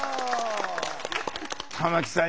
玉木さん